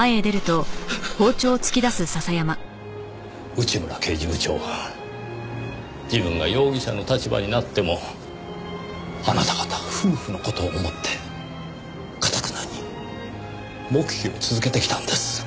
内村刑事部長は自分が容疑者の立場になってもあなた方夫婦の事を思って頑なに黙秘を続けてきたんです。